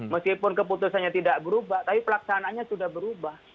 meskipun keputusannya tidak berubah tapi pelaksanaannya sudah berubah